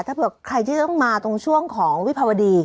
ถ้าบอกใครที่ต้องมาตรงช่วงของวิภวดี